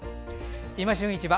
「いま旬市場」